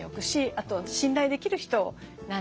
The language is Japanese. あと信頼できる人を何人も。